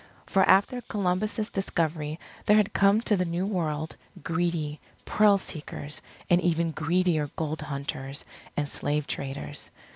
For after Columbus's discovery, there had come to the New World, greedy pearl seekers and even greedier gold hunters and slave traders.